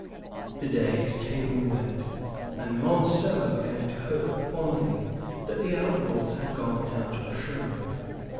The days came and went, and Monceux began to hope fondly that the outlaws had gone out of Sherwood.